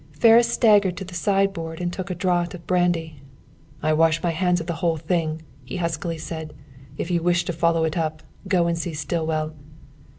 Ferris staggered to the sideboard and took a draught of brandy. "I wash my hands of the whole thing," he huskily said. "If you wish to follow it up, go and see Stillwell."